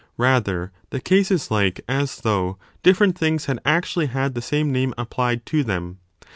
Rather, the case is like as though different things had actually had the same name applied to them.